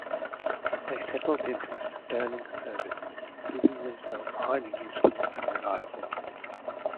They settled into sterling service, proving themselves highly useful and reliable.